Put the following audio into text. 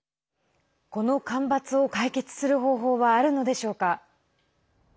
この干ばつを解決する方法はあるのでしょうか。